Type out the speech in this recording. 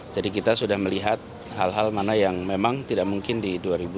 jadi kita sudah melihat hal hal mana yang memang tidak mungkin di dua ribu tujuh belas